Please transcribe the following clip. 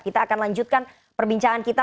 kita akan lanjutkan perbincangan kita